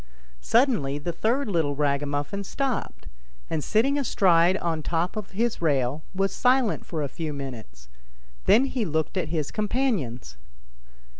Suddenly the third little ragamuffin stopped, and sitting astride on the top of his rail, was silent for a few minutes ; then he looked at his companions.